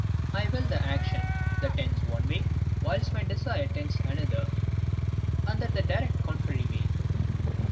I will the action; that tends one way, whilst my desire tends another, and that the direct contrary way.